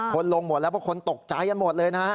คนลงหมดแล้วเพราะคนตกใจกันหมดเลยนะฮะ